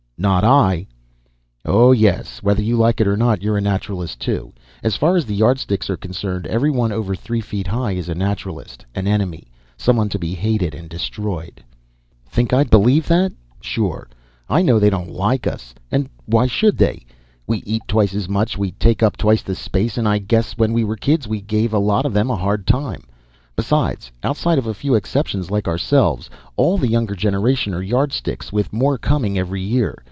"Not I." "Oh yes whether you like it or not, you're a Naturalist, too. As far as the Yardsticks are concerned, everyone over three feet high is a Naturalist. An enemy. Someone to be hated, and destroyed." "Think I'd believe that? Sure, I know they don't like us, and why should they? We eat twice as much, take up twice the space, and I guess when we were kids we gave a lot of them a hard time. Besides, outside of a few exceptions like ourselves, all the younger generation are Yardsticks, with more coming every year.